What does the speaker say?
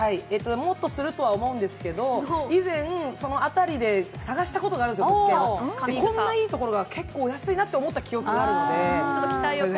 もっとするとは思うんですけど、以前、その辺りで探したことがあるんですよ、物件がこんないいところが、結構安いなと思ったことがあるので。